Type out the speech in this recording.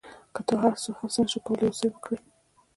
که تاسو هر څه نه شئ کولای یو څه یې وکړئ.